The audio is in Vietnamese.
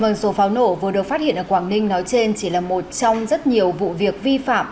vâng số pháo nổ vừa được phát hiện ở quảng ninh nói trên chỉ là một trong rất nhiều vụ việc vi phạm